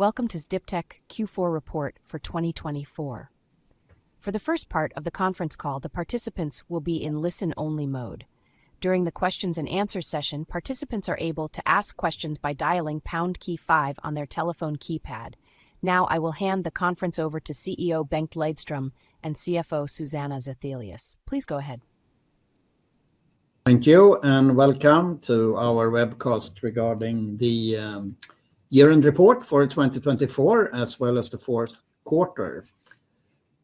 Welcome to Sdiptech Q4 Report for 2024. For the first part of the conference call, the participants will be in listen-only mode. During the Q&A session, participants are able to ask questions by dialing pound key 5 on their telephone keypad. Now, I will hand the conference over to CEO Bengt Lejdström and CFO Susanna Zethelius. Please go ahead. Thank you, and welcome to our webcast regarding the year-end report for 2024, as well as the fourth quarter.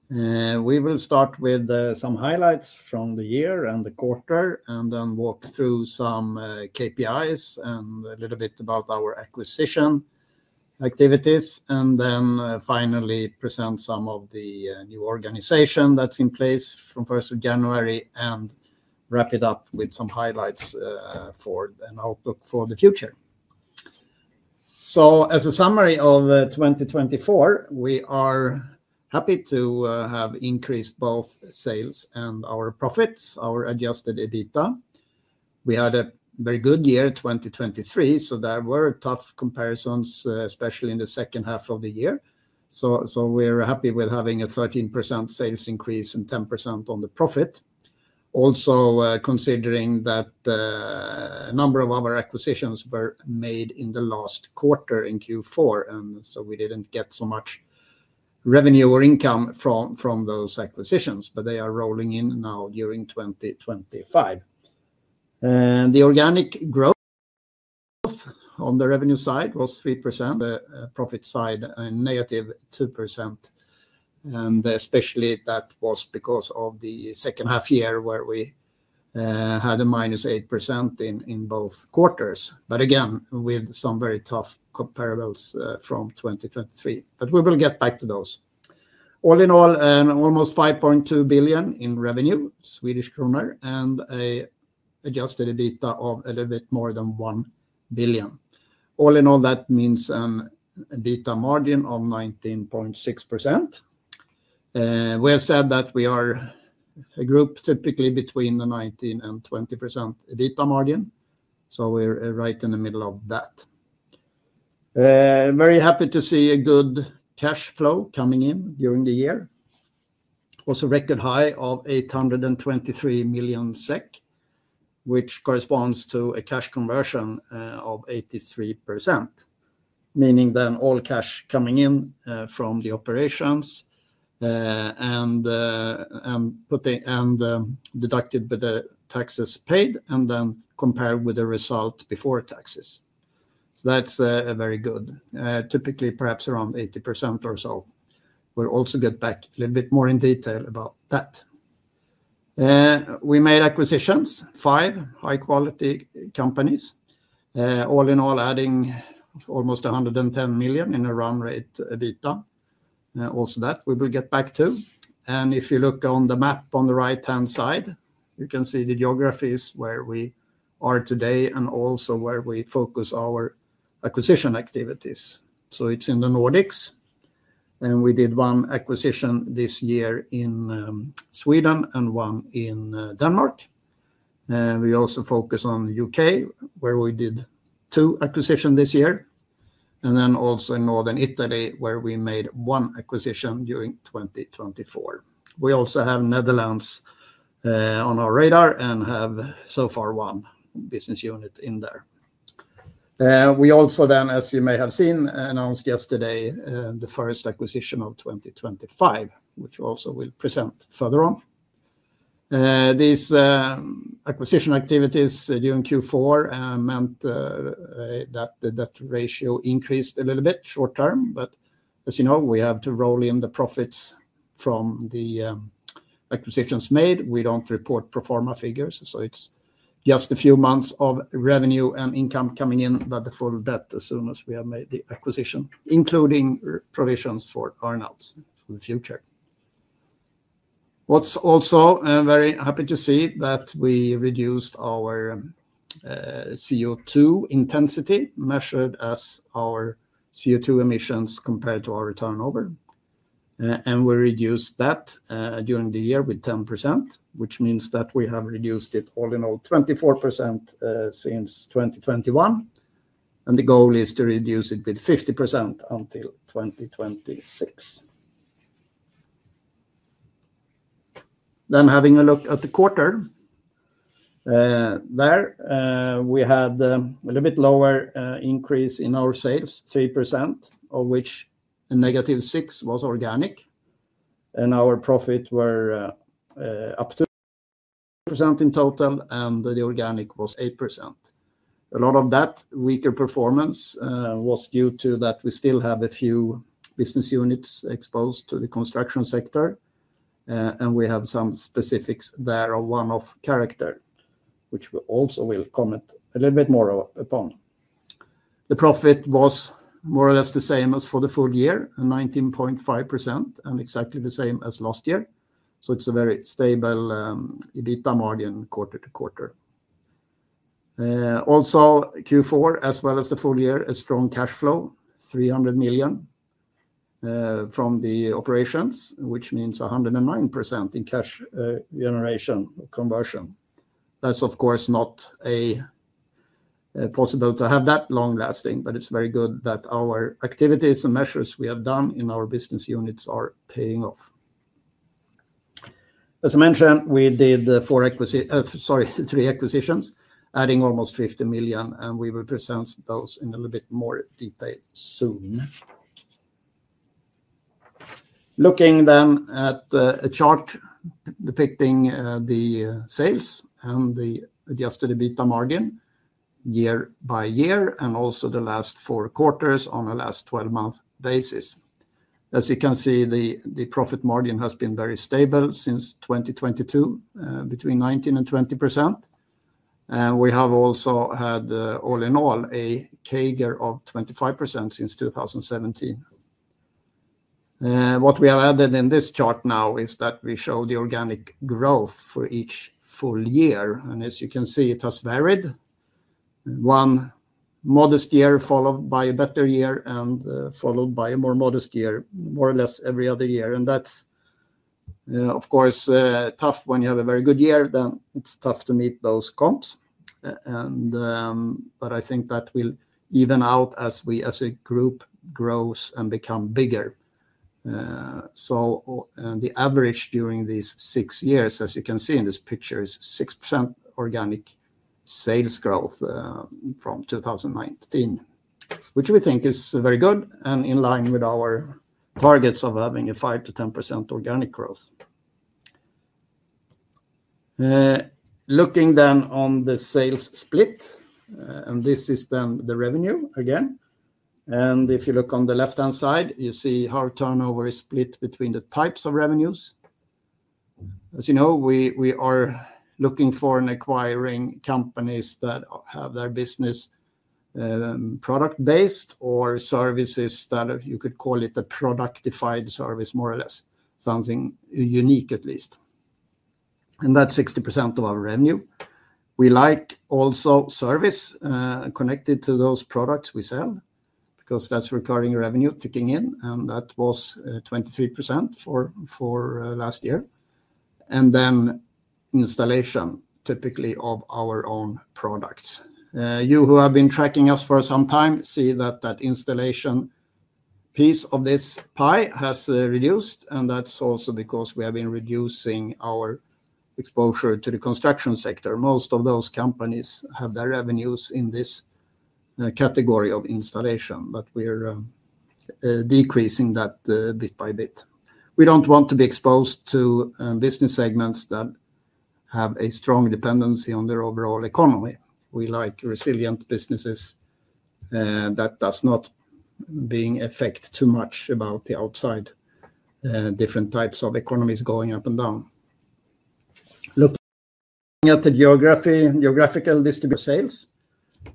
We will start with some highlights from the year and the quarter, and then walk through some KPIs and a little bit about our acquisition activities, and then finally present some of the new organization that's in place from 1 January, and wrap it up with some highlights for an outlook for the future. As a summary of 2024, we are happy to have increased both sales and our profits, our Adjusted EBITDA. We had a very good year in 2023, so there were tough comparisons, especially in the second half of the year. We're happy with having a 13% sales increase and 10% on the profit, also considering that a number of our acquisitions were made in the last quarter in Q4, and so we didn't get so much revenue or income from those acquisitions, but they are rolling in now during 2025. The organic growth on the revenue side was 3%. The profit side was negative 2%, and especially that was because of the second half year where we had a minus 8% in both quarters. Again, with some very tough comparables from 2023, but we will get back to those. All in all, almost 5.2 billion in revenue and an adjusted EBITDA of a little bit more than 1 billion. All in all, that means an EBITDA margin of 19.6%. We have said that we are a group typically between the 19% and 20% EBITDA margin, so we're right in the middle of that. Very happy to see a good cash flow coming in during the year, also a record high of 823 million SEK, which corresponds to a cash conversion of 83%, meaning then all cash coming in from the operations and deducted by the taxes paid, and then compared with the result before taxes. So that's very good, typically perhaps around 80% or so. We'll also get back a little bit more in detail about that. We made acquisitions, five high-quality companies, all in all adding almost 110 million in a run rate EBITDA. Also that we will get back to. And if you look on the map on the right-hand side, you can see the geographies where we are today and also where we focus our acquisition activities. So it's in the Nordics, and we did one acquisition this year in Sweden and one in Denmark. We also focus on the U.K., where we did two acquisitions this year, and then also in northern Italy, where we made one acquisition during 2024. We also have the Netherlands on our radar and have so far one business unit in there. We also then, as you may have seen, announced yesterday the first acquisition of 2025, which we also will present further on. These acquisition activities during Q4 meant that the debt ratio increased a little bit short term, but as you know, we have to roll in the profits from the acquisitions made. We don't report pro forma figures, so it's just a few months of revenue and income coming in, but the full debt as soon as we have made the acquisition, including provisions for earnings for the future. What's also very happy to see is that we reduced our CO2 intensity measured as our CO2 emissions compared to our turnover, and we reduced that during the year with 10%, which means that we have reduced it all in all 24% since 2021, and the goal is to reduce it with 50% until 2026. Then having a look at the quarter, there we had a little bit lower increase in our sales, 3%, of which negative 6% was organic, and our profit were up to 2% in total, and the organic was 8%. A lot of that weaker performance was due to that we still have a few business units exposed to the construction sector, and we have some specifics there of one-off character, which we also will comment a little bit more upon. The profit was more or less the same as for the full year, 19.5%, and exactly the same as last year, so it's a very stable EBITDA margin quarter to quarter. Also, Q4, as well as the full year, a strong cash flow, 300 million from the operations, which means 109% in cash generation conversion. That's of course not possible to have that long lasting, but it's very good that our activities and measures we have done in our business units are paying off. As I mentioned, we did four, sorry, three acquisitions, adding almost 50 million, and we will present those in a little bit more detail soon. Looking then at a chart depicting the sales and the Adjusted EBITDA margin year by year and also the last four quarters on a last 12-month basis. As you can see, the profit margin has been very stable since 2022, between 19% and 20%, and we have also had all in all a CAGR of 25% since 2017. What we have added in this chart now is that we show the organic growth for each full year, and as you can see, it has varied. One modest year followed by a better year and followed by a more modest year, more or less every other year, and that's of course tough. When you have a very good year, then it's tough to meet those comps, but I think that will even out as we as a group grow and become bigger. So the average during these six years, as you can see in this picture, is 6% organic sales growth from 2019, which we think is very good and in line with our targets of having a 5%-10% organic growth. Looking then on the sales split, and this is then the revenue again, and if you look on the left-hand side, you see how turnover is split between the types of revenues. As you know, we are looking for and acquiring companies that have their business product-based or services that you could call it a productified service, more or less, something unique at least, and that's 60% of our revenue. We like also service connected to those products we sell because that's recurring revenue ticking in, and that was 23% for last year, and then installation typically of our own products. You who have been tracking us for some time see that that installation piece of this pie has reduced, and that's also because we have been reducing our exposure to the construction sector. Most of those companies have their revenues in this category of installation, but we are decreasing that bit by bit. We don't want to be exposed to business segments that have a strong dependency on their overall economy. We like resilient businesses that do not affect too much about the outside different types of economies going up and down. Looking at the geography, geographical distribution of sales,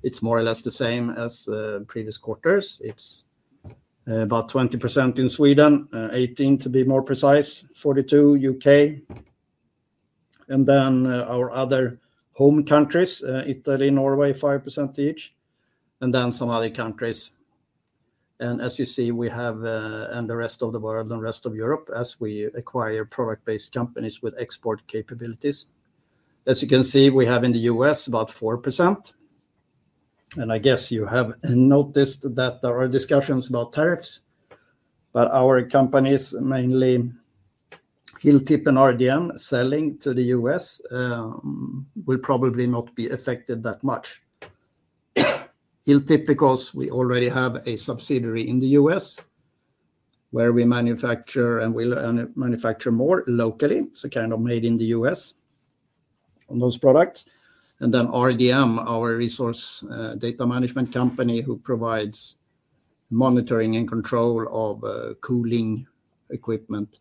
it's more or less the same as previous quarters. It's about 20% in Sweden, 18% to be more precise, 42% U.K. and then our other home countries, Italy, Norway, 5% each, and then some other countries. As you see, we have in the rest of the world and rest of Europe as we acquire product-based companies with export capabilities. As you can see, we have in the U.S. about 4%, and I guess you have noticed that there are discussions about tariffs, but our companies, mainly Hilltip and RDM, selling to the U.S. will probably not be affected that much. Hilltip because we already have a subsidiary in the U.S. where we manufacture and we manufacture more locally, so kind of made in the U.S. on those products. Then RDM, our Resource Data Management company who provides monitoring and control of cooling equipment,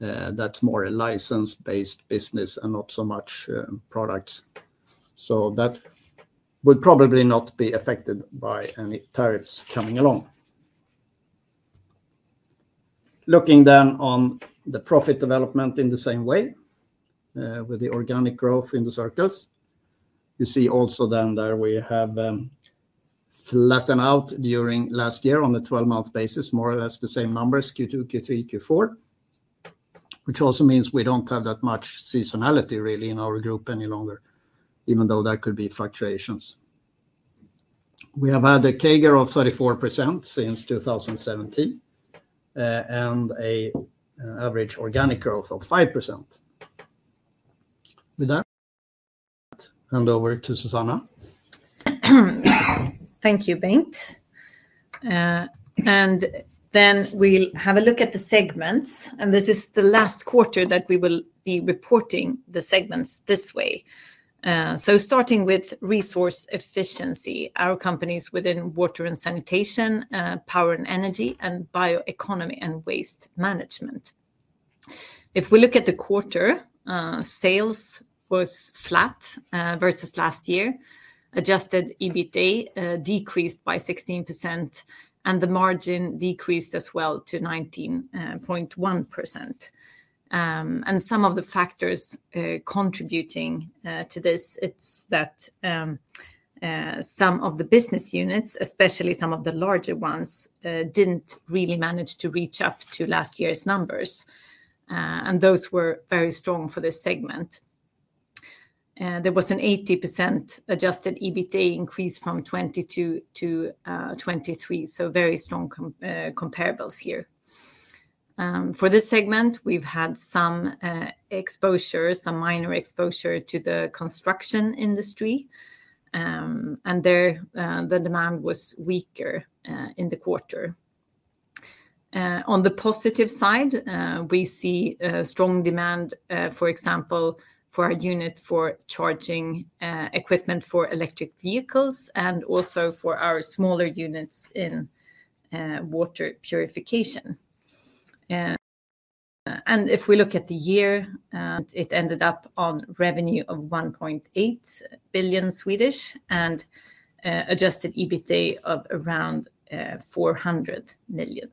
that's more a license-based business and not so much products. That would probably not be affected by any tariffs coming along. Looking then on the profit development in the same way with the organic growth in the circles, you see also then that we have flattened out during last year on the 12-month basis, more or less the same numbers, Q2, Q3, Q4, which also means we don't have that much seasonality really in our group any longer, even though there could be fluctuations. We have had a CAGR of 34% since 2017 and an average organic growth of 5%. With that, hand over to Susanna. Thank you, Bengt. And then we'll have a look at the segments, and this is the last quarter that we will be reporting the segments this way. So starting with resource efficiency, our companies within water and sanitation, power and energy, and bioeconomy and waste management. If we look at the quarter, sales was flat versus last year, adjusted EBITDA decreased by 16%, and the margin decreased as well to 19.1%. And some of the factors contributing to this, it's that some of the business units, especially some of the larger ones, didn't really manage to reach up to last year's numbers, and those were very strong for this segment. There was an 80% adjusted EBITDA increase from 22% to 23%, so very strong comparables here. For this segment, we've had some exposure, some minor exposure to the construction industry, and there the demand was weaker in the quarter. On the positive side, we see strong demand, for example, for our unit for charging equipment for electric vehicles and also for our smaller units in water purification. If we look at the year, it ended up on revenue of 1.8 billion SEK and adjusted EBITDA of around 400 million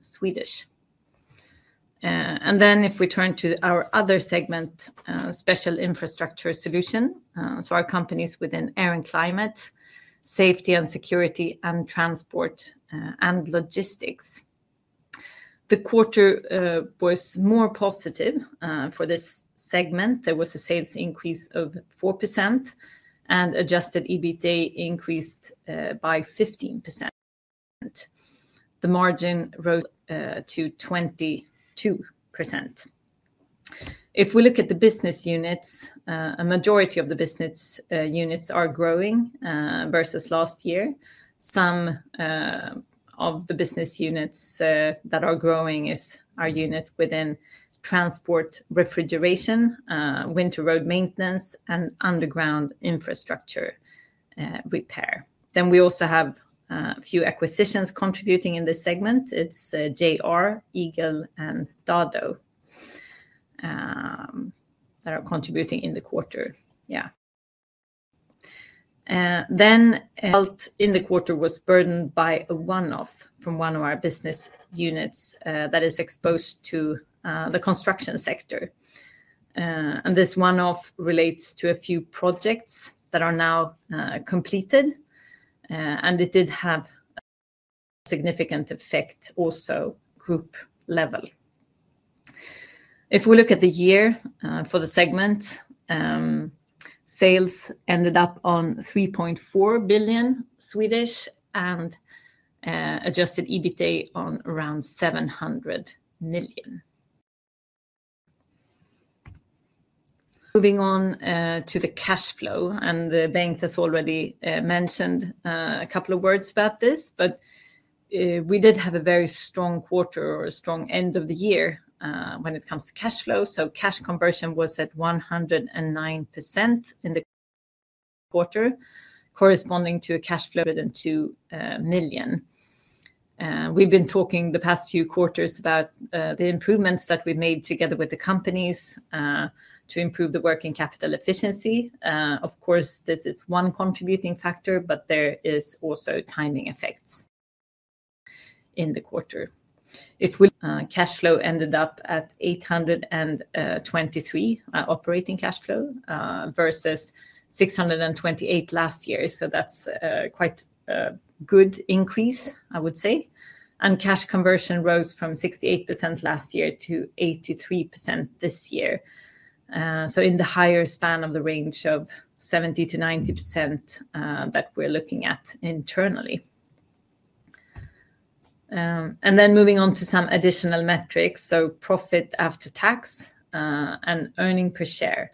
SEK. Then if we turn to our other segment, special infrastructure solution, so our companies within air and climate, safety and security, and transport and logistics. The quarter was more positive for this segment. There was a sales increase of 4%, and adjusted EBITDA increased by 15%. The margin rose to 22%. If we look at the business units, a majority of the business units are growing versus last year. Some of the business units that are growing is our unit within transport, refrigeration, winter road maintenance, and underground infrastructure repair. Then we also have a few acquisitions contributing in this segment. It's JR, Eagle, and Dado that are contributing in the quarter. Yeah. Then in the quarter was burdened by a one-off from one of our business units that is exposed to the construction sector. And this one-off relates to a few projects that are now completed, and it did have a significant effect also group level. If we look at the year for the segment, sales ended up on 3.4 billion and Adjusted EBITDA on around 700 million. Moving on to the cash flow, and Bengt has already mentioned a couple of words about this, but we did have a very strong quarter or a strong end of the year when it comes to cash flow. So cash conversion was at 109% in the quarter, corresponding to a cash flow of 102 million. We've been talking the past few quarters about the improvements that we've made together with the companies to improve the working capital efficiency. Of course, this is one contributing factor, but there are also timing effects in the quarter. The cash flow ended up at 823 operating cash flow versus 628 last year, so that's quite a good increase, I would say, and cash conversion rose from 68% last year to 83% this year, so in the higher span of the range of 70%-90% that we're looking at internally, and then moving on to some additional metrics, so profit after tax and earnings per share.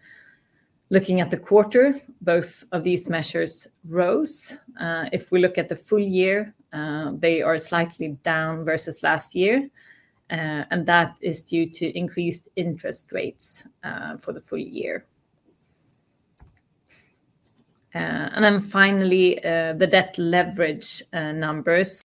Looking at the quarter, both of these measures rose. If we look at the full year, they are slightly down versus last year, and that is due to increased interest rates for the full year. And then finally, the debt leverage numbers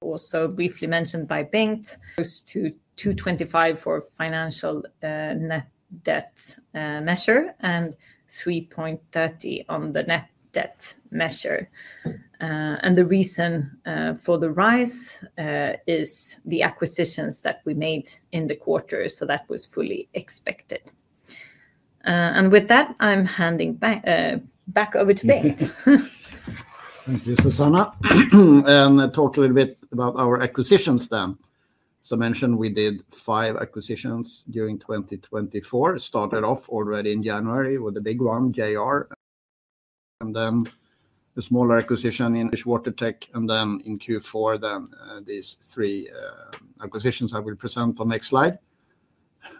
also briefly mentioned by Bengt rose to 225 for financial net debt measure and 3.30 on the net debt measure. And the reason for the rise is the acquisitions that we made in the quarter, so that was fully expected. And with that, I'm handing back over to Bengt. Thank you, Susanna. And talk a little bit about our acquisitions then. As I mentioned, we did five acquisitions during 2024, started off already in January with the big one, JR, and then a smaller acquisition in WaterTech, and then in Q4, then these three acquisitions I will present on the next slide.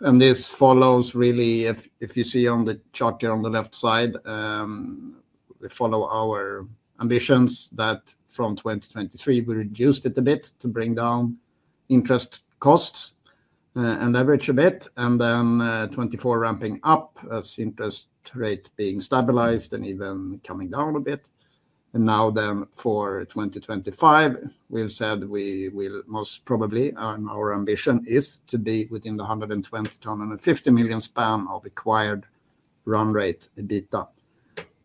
And this follows really. If you see on the chart here on the left side, we follow our ambitions that from 2023 we reduced it a bit to bring down interest costs and leverage a bit, and then 24 ramping up as interest rate being stabilized and even coming down a bit. And now then for 2025, we've said we will most probably, and our ambition is to be within the 120-150 million span of acquired run rate EBITDA.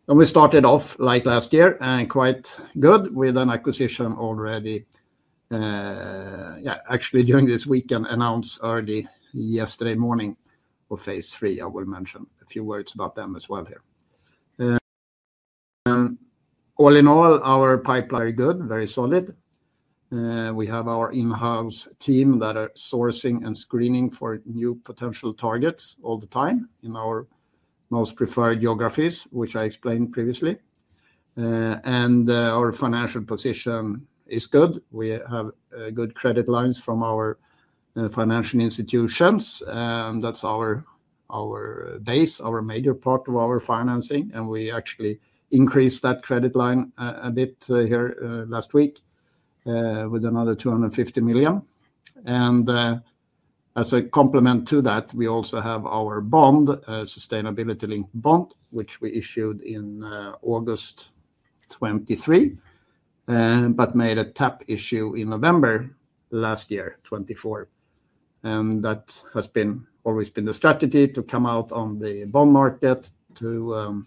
We started off like last year and quite good with an acquisition already, yeah, actually during this weekend announced early yesterday morning of Phase 3. I will mention a few words about them as well here. All in all, our pipeline is very good, very solid. We have our in-house team that are sourcing and screening for new potential targets all the time in our most preferred geographies, which I explained previously. Our financial position is good. We have good credit lines from our financial institutions, and that's our base, our major part of our financing, and we actually increased that credit line a bit here last week with another 250 million. As a complement to that, we also have our bond, Sustainability-Linked Bond, which we issued in August 2023, but made a tap issue in November 2024. And that has always been the strategy to come out on the bond market to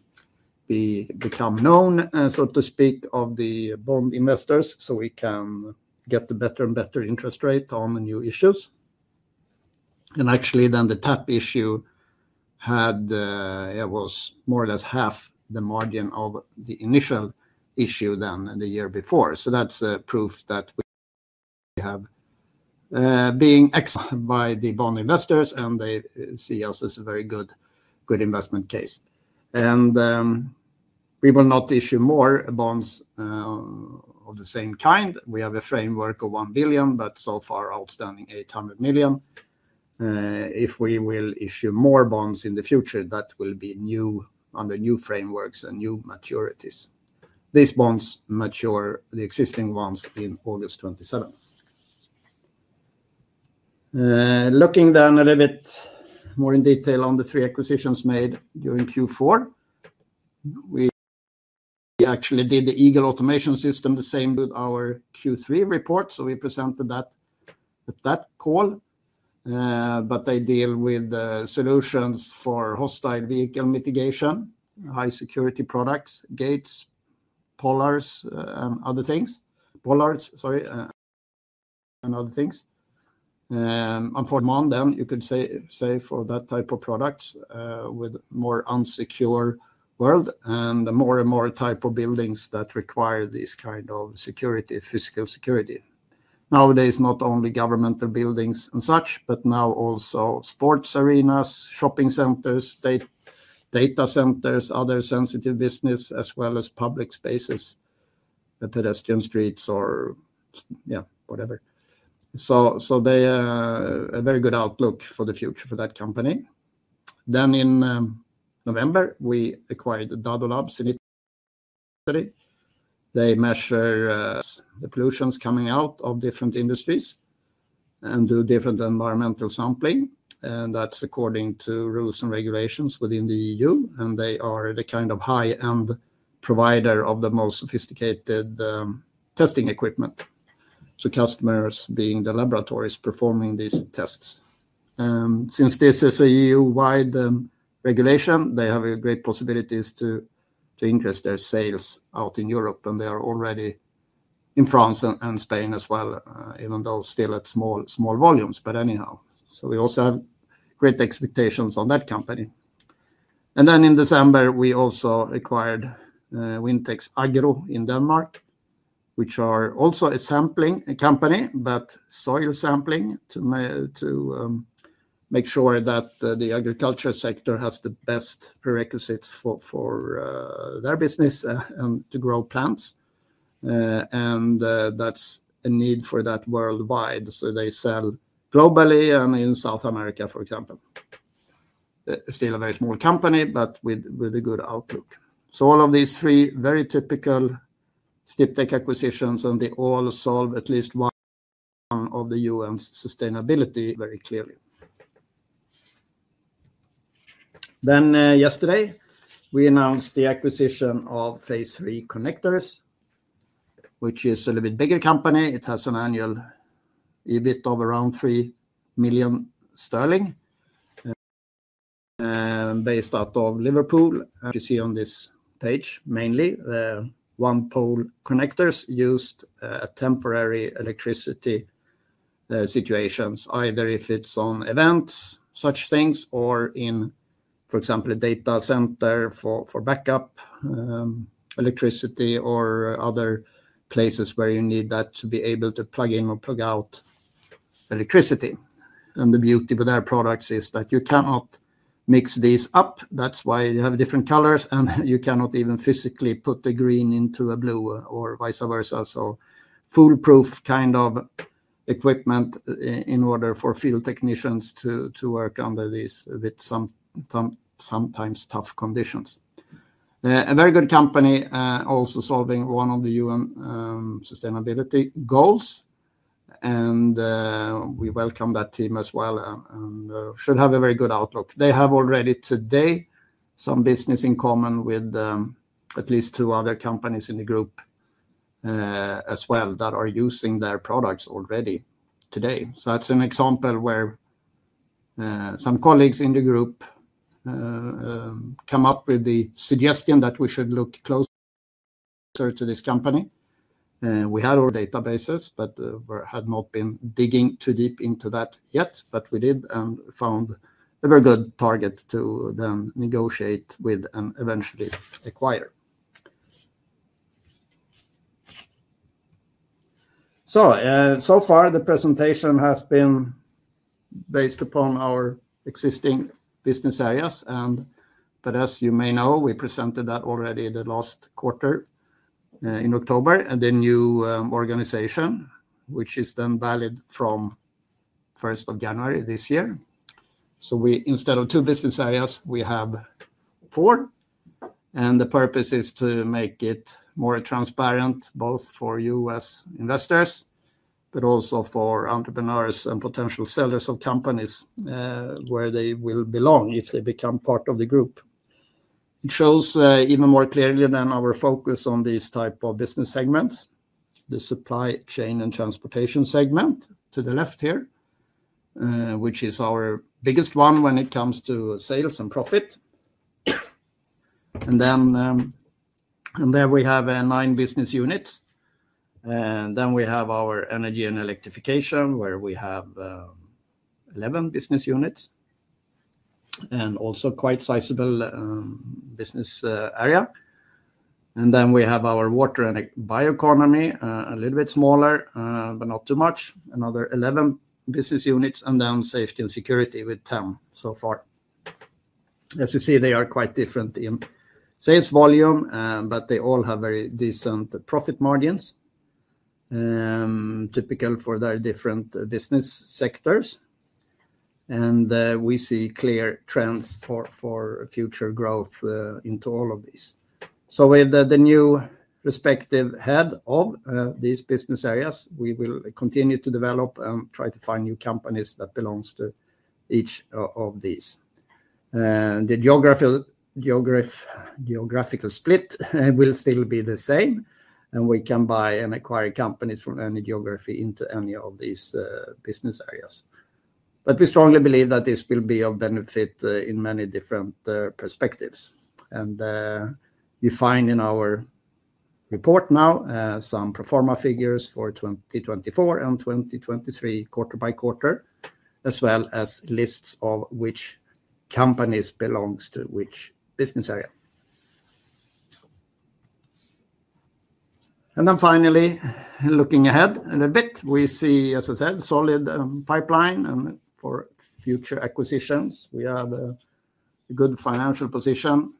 become known, so to speak, of the bond investors so we can get the better and better interest rate on the new issues. And actually then the tap issue, it was more or less half the margin of the initial issue than the year before. So that's proof that we have been accepted by the bond investors, and they see us as a very good investment case. And we will not issue more bonds of the same kind. We have a framework of 1 billion, but so far outstanding 800 million. If we will issue more bonds in the future, that will be under new frameworks and new maturities. These bonds, the existing ones, mature in August 2027. Looking then a little bit more in detail on the three acquisitions made during Q4, we actually did the Eagle Automation Systems, the same with our Q3 report, so we presented that at that call, but they deal with solutions for hostile vehicle mitigation, high security products, gates, bollards, and other things, bollards, sorry, and other things, and moreover then, you could say for that type of products with more insecure world and more and more type of buildings that require this kind of security, physical security. Nowadays, not only governmental buildings and such, but now also sports arenas, shopping centers, data centers, other sensitive business, as well as public spaces, pedestrian streets or, yeah, whatever, so they have a very good outlook for the future for that company, then in November, we acquired Dado Lab in Italy. They measure the pollution coming out of different industries and do different environmental sampling, and that's according to rules and regulations within the EU, and they are the kind of high-end provider of the most sophisticated testing equipment, so customers being the laboratories performing these tests. Since this is an EU-wide regulation, they have great possibilities to increase their sales out in Europe, and they are already in France and Spain as well, even though still at small volumes, but anyhow, so we also have great expectations on that company, and then in December, we also acquired Wintex Agro in Denmark, which are also a sampling company, but soil sampling to make sure that the agriculture sector has the best prerequisites for their business and to grow plants, and that's a need for that worldwide, so they sell globally and in South America, for example. Still a very small company, but with a good outlook. So all of these three very typical Sdiptech acquisitions, and they all solve at least one of the UN's sustainability goals very clearly. Then yesterday, we announced the acquisition of Phase 3 Connectors, which is a little bit bigger company. It has an annual EBIT of around 3 million sterling based out of Liverpool. You see on this page mainly one-pole connectors used at temporary electricity situations, either if it's on events, such things, or in, for example, a data center for backup electricity or other places where you need that to be able to plug in or plug out electricity. And the beauty with their products is that you cannot mix these up. That's why you have different colors, and you cannot even physically put the green into a blue or vice versa. Foolproof kind of equipment in order for field technicians to work under these with sometimes tough conditions. A very good company also solving one of the UN sustainability goals, and we welcome that team as well and should have a very good outlook. They have already today some business in common with at least two other companies in the group as well that are using their products already today. That's an example where some colleagues in the group come up with the suggestion that we should look closer to this company. We had databases, but had not been digging too deep into that yet, but we did and found a very good target to then negotiate with and eventually acquire. So far, the presentation has been based upon our existing business areas, and as you may know, we presented that already the last quarter in October, the new organization, which is then valid from 1st of January this year. Instead of two business areas, we have four, and the purpose is to make it more transparent both for U.S. investors, but also for entrepreneurs and potential sellers of companies where they will belong if they become part of the group. It shows even more clearly our focus on these types of business segments, the supply chain and transportation segment to the left here, which is our biggest one when it comes to sales and profit, and then there we have nine business units, then we have our energy and electrification, where we have 11 business units and also quite sizable business area. Then we have our water and bioeconomy, a little bit smaller, but not too much, another 11 business units, and then safety and security with 10 so far. As you see, they are quite different in sales volume, but they all have very decent profit margins, typical for their different business sectors, and we see clear trends for future growth into all of these. With the new respective head of these business areas, we will continue to develop and try to find new companies that belong to each of these. The geographical split will still be the same, and we can buy and acquire companies from any geography into any of these business areas. We strongly believe that this will be of benefit in many different perspectives. And you find in our report now some pro forma figures for 2024 and 2023 quarter by quarter, as well as lists of which companies belong to which business area. And then finally, looking ahead a bit, we see, as I said, solid pipeline for future acquisitions. We have a good financial position.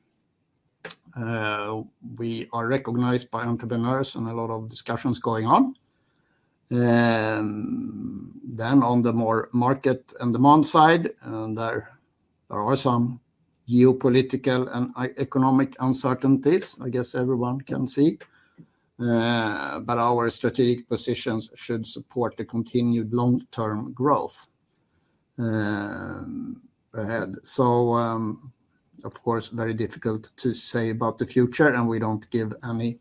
We are recognized by entrepreneurs and a lot of discussions going on. Then on the more market and demand side, there are some geopolitical and economic uncertainties, I guess everyone can see, but our strategic positions should support the continued long-term growth ahead. So, of course, very difficult to say about the future, and we don't give any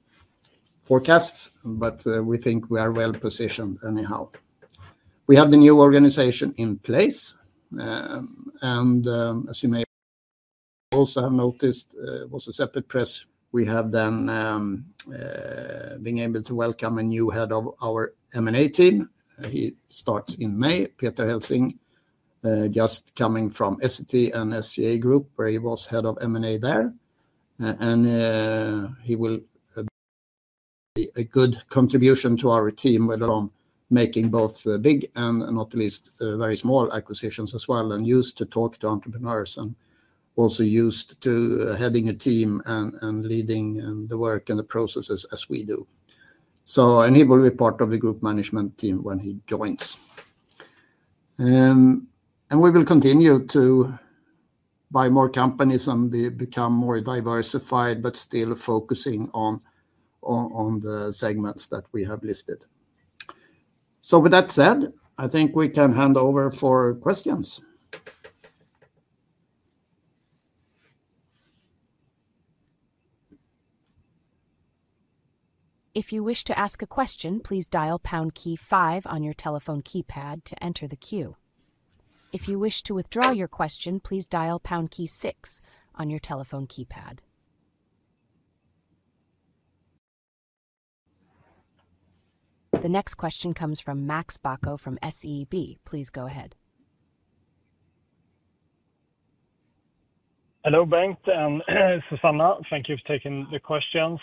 forecasts, but we think we are well positioned anyhow. We have the new organization in place, and as you may also have noticed, it was a separate press. We have then been able to welcome a new head of our M&A team. He starts in May, Peter Helsing just coming from Essity and SCA Group, where he was head of M&A there, and he will be a good contribution to our team with from making both big and not least very small acquisitions as well, and used to talk to entrepreneurs and also used to heading a team and leading the work and the processes as we do. He will be part of the group management team when he joins, and we will continue to buy more companies and become more diversified, but still focusing on the segments that we have listed. With that said, I think we can hand over for questions. If you wish to ask a question, please dial pound key five on your telephone keypad to enter the queue. If you wish to withdraw your question, please dial pound key six on your telephone keypad. The next question comes from Max Bäck from SEB. Please go ahead. Hello Bengt and Susanna. Thank you for taking the questions.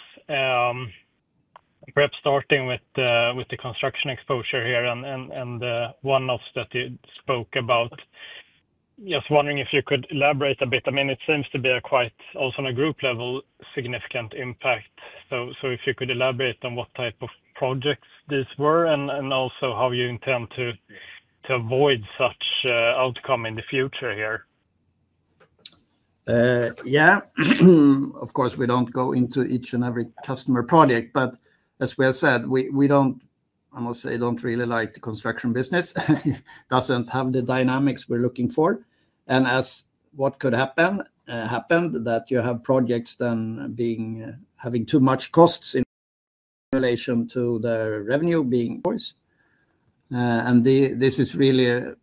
Perhaps starting with the construction exposure here and one of that you spoke about, just wondering if you could elaborate a bit. I mean, it seems to be quite also on a group level, significant impact. So if you could elaborate on what type of projects these were and also how you intend to avoid such outcome in the future here. Yeah, of course, we don't go into each and every customer project, but as we have said, we don't, I must say, don't really like the construction business. It doesn't have the dynamics we're looking for. As what could happen happened, that you have projects then having too much costs in relation to their revenue being invoiced. This is really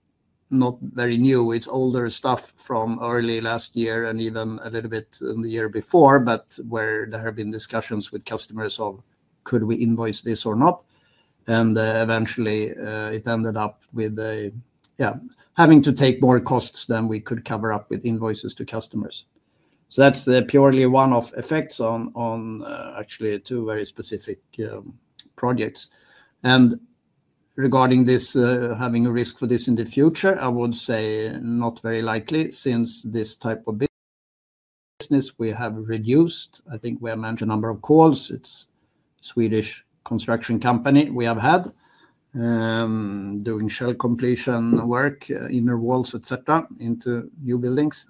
not very new. It's older stuff from early last year and even a little bit in the year before, but where there have been discussions with customers of could we invoice this or not. Eventually, it ended up with, yeah, having to take more costs than we could cover up with invoices to customers. That's purely one of effects on actually two very specific projects. Regarding this, having a risk for this in the future, I would say not very likely since this type of business we have reduced. I think we have managed a number of calls. It's a Swedish construction company we have had doing shell completion work, inner walls, etc., into new buildings.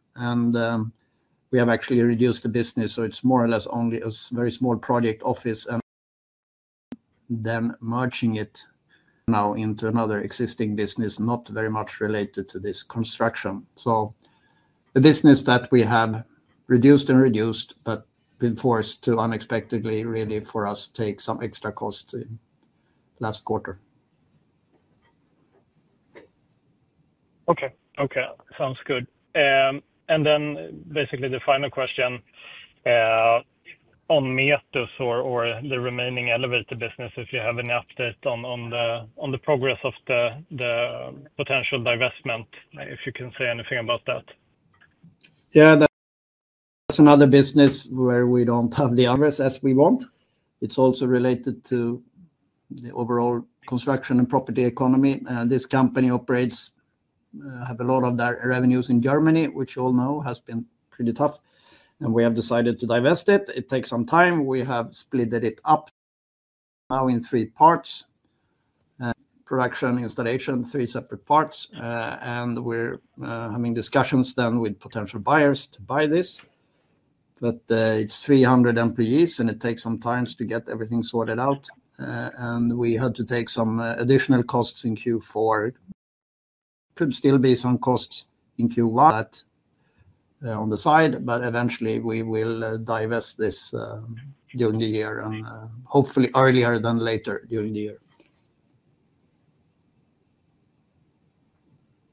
We have actually reduced the business, so it's more or less only a very small project office and then merging it now into another existing business, not very much related to this construction. So the business that we have reduced and reduced, but been forced to unexpectedly really for us to take some extra costs last quarter. Okay, okay. Sounds good. Then basically the final question on Metus or the remaining elevator business, if you have any update on the progress of the potential divestment, if you can say anything about that. Yeah, that's another business where we don't have the investment as we want. It's also related to the overall construction and property economy. This company operates, has a lot of revenues in Germany, which you all know has been pretty tough, and we have decided to divest it. It takes some time. We have split it up now in three parts: production, installation, three separate parts. We're having discussions then with potential buyers to buy this, but it's 300 employees and it takes some time to get everything sorted out. We had to take some additional costs in Q4. Could still be some costs in Q1. That on the side, but eventually we will divest this during the year and hopefully earlier than later during the year.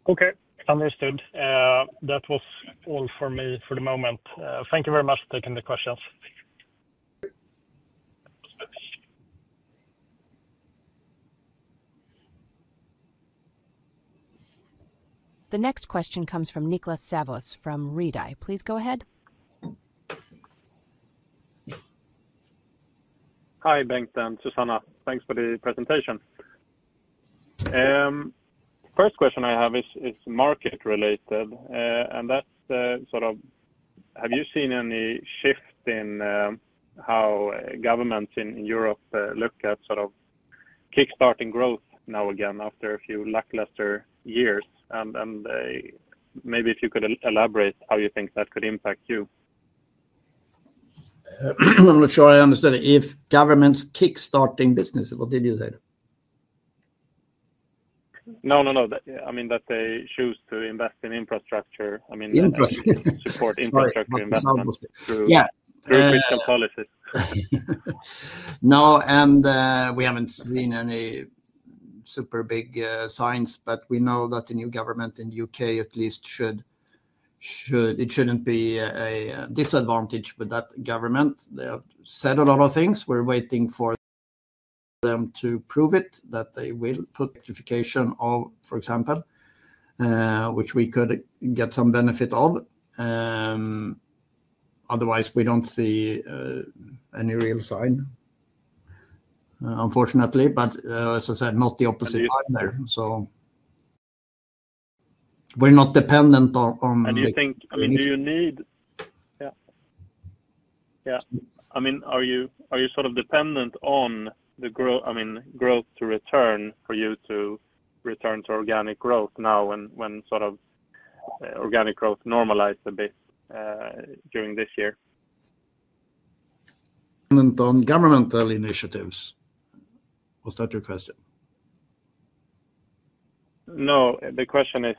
Okay, understood. That was all for me for the moment. Thank you very much for taking the questions. The next question comes from Niklas Sävås from Redeye. Please go ahead. Hi Bengt and Susanna. Thanks for the presentation. First question I have is market-related, and that's sort of, have you seen any shift in how governments in Europe look at sort of kickstarting growth now again after a few lackluster years? And maybe if you could elaborate how you think that could impact you. I'm not sure I understood. If governments kickstarting business, what did you say? No, no, no. I mean that they choose to invest in infrastructure. I mean support infrastructure investment through critical policies. No, and we haven't seen any super big signs, but we know that the new government in the U.K. at least shouldn't be a disadvantage with that government. They have said a lot of things. We're waiting for them to prove it that they will put electrification of, for example, which we could get some benefit of. Otherwise, we don't see any real sign, unfortunately, but as I said, not the opposite either. So we're not dependent on the new. I mean, do you need? Yeah. Yeah. I mean, are you sort of dependent on the growth to return for you to return to organic growth now when sort of organic growth normalized a bit during this year? On governmental initiatives? Was that your question? No, the question is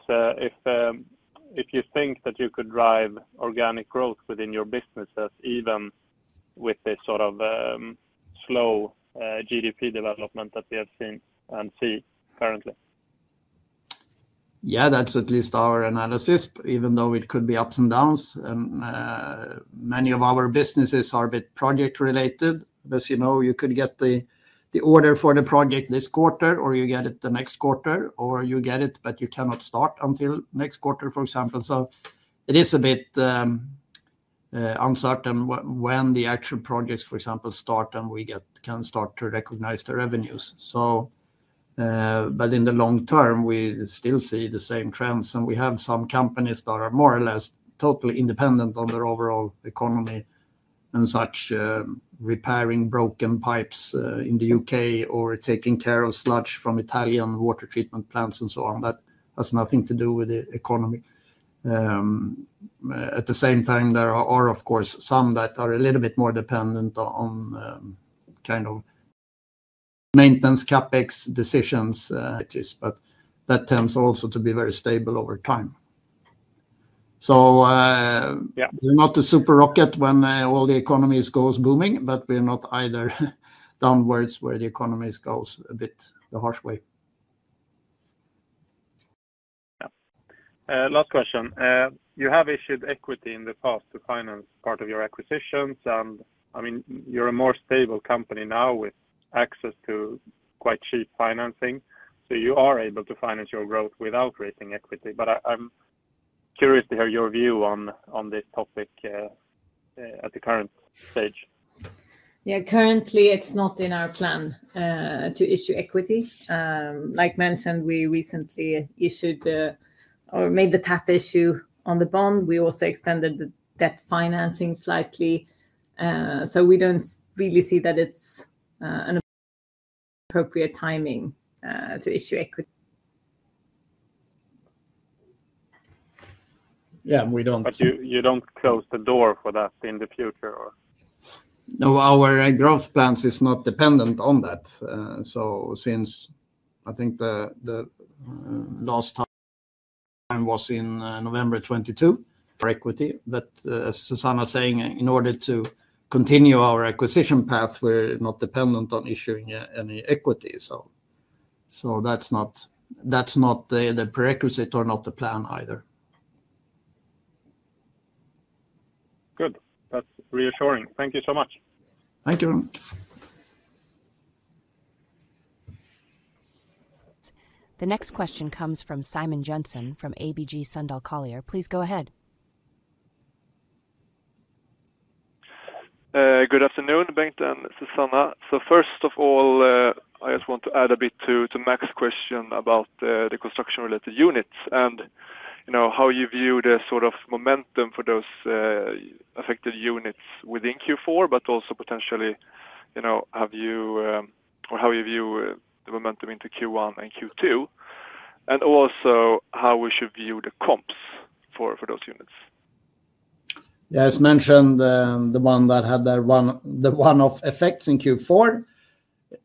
if you think that you could drive organic growth within your businesses even with this sort of slow GDP development that we have seen and see currently. Yeah, that's at least our analysis, even though it could be ups and downs, and many of our businesses are a bit project-related. As you know, you could get the order for the project this quarter, or you get it the next quarter, or you get it, but you cannot start until next quarter, for example, so it is a bit uncertain when the actual projects, for example, start and we can start to recognize the revenues. But in the long term, we still see the same trends. And we have some companies that are more or less totally independent on their overall economy and such repairing broken pipes in the U.K. or taking care of sludge from Italian water treatment plants and so on. That has nothing to do with the economy. At the same time, there are, of course, some that are a little bit more dependent on kind of maintenance CapEx decisions. It is, but that tends also to be very stable over time. So we're not a super rocket when all the economy goes booming, but we're not either downwards where the economy goes a bit the harsh way. Last question. You have issued equity in the past to finance part of your acquisitions, and I mean, you're a more stable company now with access to quite cheap financing. So you are able to finance your growth without raising equity. But I'm curious to hear your view on this topic at the current stage. Yeah, currently it's not in our plan to issue equity. Like mentioned, we recently issued or made the tap issue on the bond. We also extended the debt financing slightly. So we don't really see that it's an appropriate timing to issue equity. Yeah, and we don't. You don't close the door for that in the future, or? No, our growth plans is not dependent on that. So since I think the last time was in November 2022. Equity. But as Susanna is saying, in order to continue our acquisition path, we're not dependent on issuing any equity. So that's not the prerequisite or not the plan either. Good. That's reassuring. Thank you so much. Thank you very much. The next question comes from Simon Jönsson from ABG Sundal Collier. Please go ahead. Good afternoon, Bengt and Susanna. So first of all, I just want to add a bit to Max's question about the construction-related units and how you view the sort of momentum for those affected units within Q4, but also potentially how you view the momentum into Q1 and Q2, and also how we should view the comps for those units. Yeah, as mentioned, the one that had the one-off effects in Q4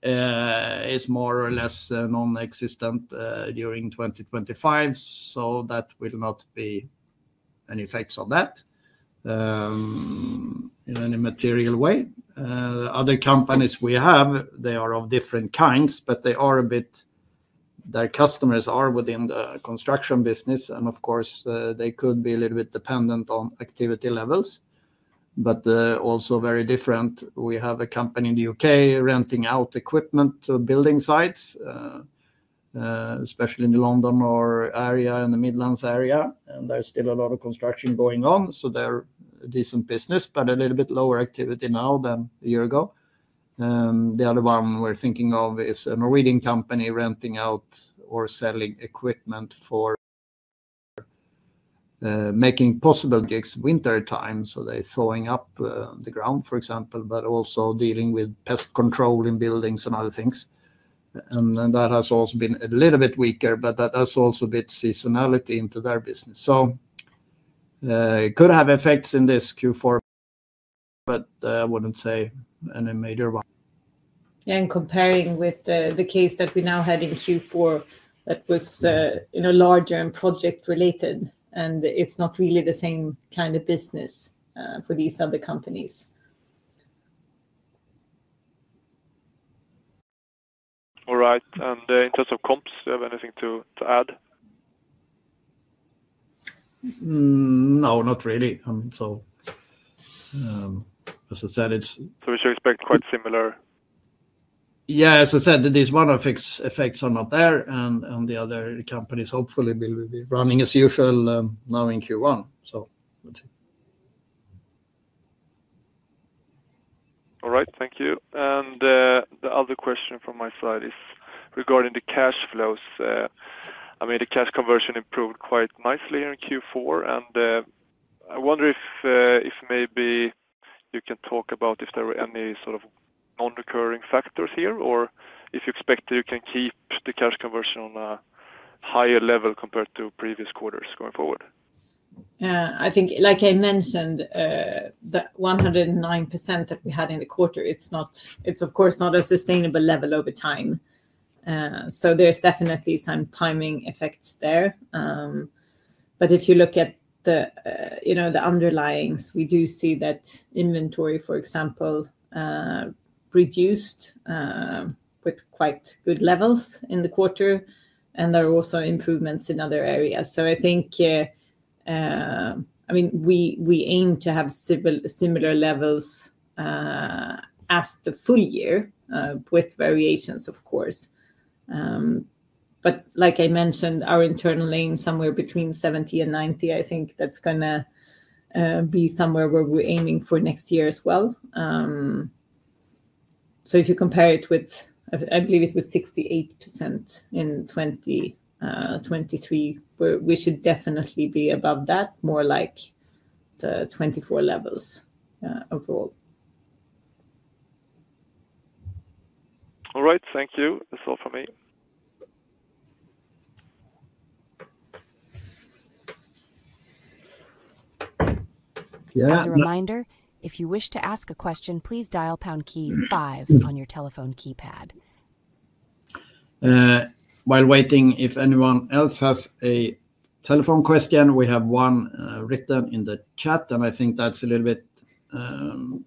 is more or less non-existent during 2025, so that will not be any effects on that in any material way. The other companies we have, they are of different kinds, but they are a bit their customers are within the construction business, and of course, they could be a little bit dependent on activity levels, but also very different. We have a company in the U.K. renting out equipment to building sites, especially in the London area and the Midlands area, and there's still a lot of construction going on, so they're a decent business, but a little bit lower activity now than a year ago. The other one we're thinking of is a Norwegian company renting out or selling equipment for making possible projects wintertime, so they're thawing up the ground, for example, but also dealing with pest control in buildings and other things. And that has also been a little bit weaker, but that has also a bit seasonality into their business. So it could have effects in this Q4, but I wouldn't say any major. Yeah, and comparing with the case that we now had in Q4 that was larger and project-related, and it's not really the same kind of business for these other companies. All right. And in terms of comps, do you have anything to add? No, not really. I mean, so as I said, so we should expect quite similar. Yeah, as I said, these one-off effects are not there, and the other companies hopefully will be running as usual now in Q1, so let's see. All right, thank you. And the other question from my side is regarding the cash flows. I mean, the cash conversion improved quite nicely in Q4, and I wonder if maybe you can talk about if there were any sort of non-recurring factors here or if you expect that you can keep the cash conversion on a higher level compared to previous quarters going forward. Yeah, I think like I mentioned, the 109% that we had in the quarter, it's of course not a sustainable level over time. So there's definitely some timing effects there. But if you look at the underlyings, we do see that inventory, for example, reduced with quite good levels in the quarter, and there are also improvements in other areas. So I think, I mean, we aim to have similar levels as the full year with variations, of course. But like I mentioned, our internal aim somewhere between 70% and 90%, I think that's going to be somewhere where we're aiming for next year as well. So if you compare it with, I believe it was 68% in 2023, we should definitely be above that, more like the 2024 levels overall. All right, thank you. That's all for me. Yeah. As a reminder, if you wish to ask a question, please dial pound key five on your telephone keypad. While waiting, if anyone else has a telephone question, we have one written in the chat, and I think that's a little bit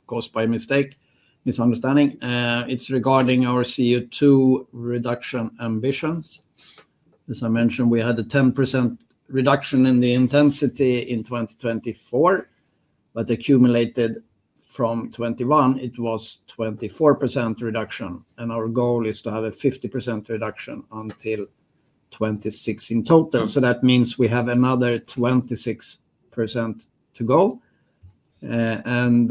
caused by a mistake, misunderstanding. It's regarding our CO2 reduction ambitions. As I mentioned, we had a 10% reduction in the intensity in 2024, but accumulated from 2021, it was 24% reduction. And our goal is to have a 50% reduction until 2026 in total. So that means we have another 26% to go. And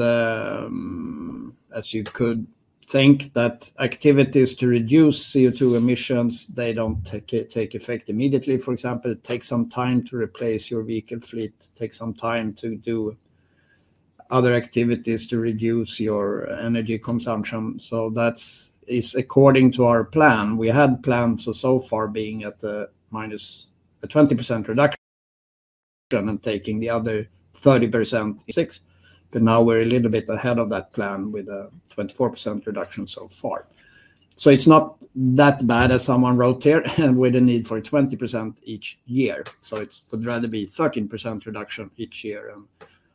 as you could think, that activities to reduce CO2 emissions, they don't take effect immediately. For example, it takes some time to replace your vehicle fleet, takes some time to do other activities to reduce your energy consumption. So that is according to our plan. We had plans so far being at a 20% reduction and taking the other 30%. 26, but now we're a little bit ahead of that plan with a 24% reduction so far. So it's not that bad as someone wrote here, and we don't need for 20% each year. So it would rather be 13% reduction each year,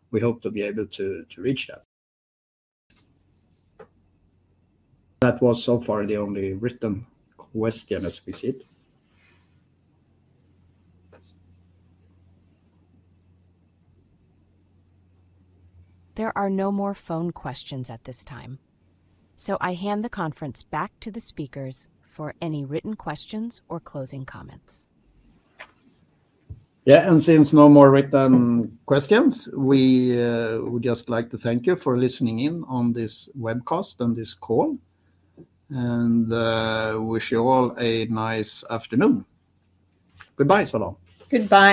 and we hope to be able to reach that. That was so far the only written question as we see it. There are no more phone questions at this time. So I hand the conference back to the speakers for any written questions or closing comments. Yeah, and since no more written questions, we would just like to thank you for listening in on this webcast and this call, and we wish you all a nice afternoon. Goodbye us all. Goodbye.